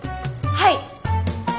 はい！